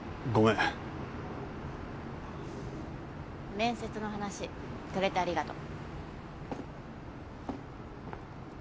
面接の話くれてありがとう。